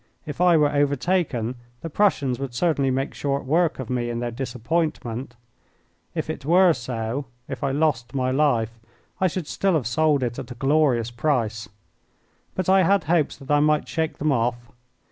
If I were overtaken the Prussians would certainly make short work of me in their disappointment. If it were so if I lost my life I should still have sold it at a glorious price. But I had hopes that I might shake them off.